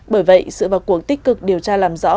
bởi vậy sự vào cuộc tích cực điều tra làm rõ